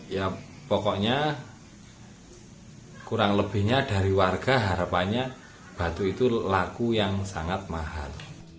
ya pokoknya kurang lebihnya dari warga harapannya batu itu laku yang sangat mahal